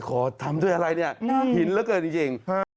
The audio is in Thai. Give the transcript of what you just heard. ขอทำด้วยอะไรเนี่ยหินเหลือเกินจริง